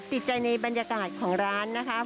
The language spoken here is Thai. ติดใจในบรรยากาศของร้านนะคะ